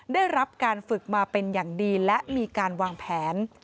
ได้รับการฝึกมาเป็นอย่างดีและมีการวางแผน